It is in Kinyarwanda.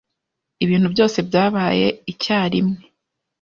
Ibintu byose byabaye icyarimwe.